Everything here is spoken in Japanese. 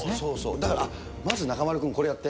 だから、あっ、まず中丸君、これやって。